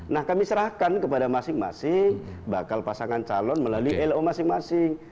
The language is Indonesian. nah kami serahkan kepada masing masing bakal pasangan calon melalui lo masing masing